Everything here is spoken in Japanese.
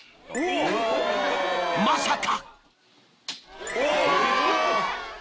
［まさか！］